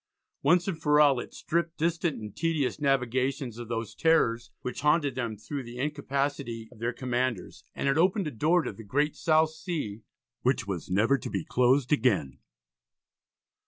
Once and for all it stripped distant and tedious navigations of those terrors which haunted them through the incapacity of their commanders, and it opened a door to the great South Sea which was never to be closed again.